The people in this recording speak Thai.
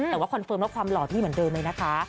แต่ว่าคอนเฟิร์มและความหล่อพี่เหมือนเดิมเลยนะคะ